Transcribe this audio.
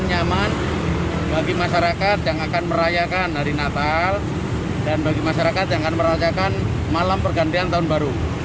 nyaman bagi masyarakat yang akan merayakan hari natal dan bagi masyarakat yang akan merayakan malam pergantian tahun baru